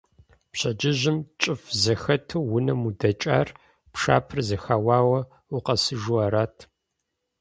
Пщэдджыжьым, кӀыфӀ зэхэту унэм удэкӀар, пшапэр зэхэуауэ укъэсыжу арат.